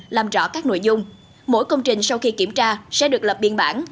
làm rõ các nội dung mỗi công trình sau khi kiểm tra sẽ được lập biên bản